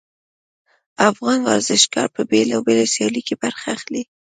افغان ورزشګران په بیلابیلو سیالیو کې برخه اخلي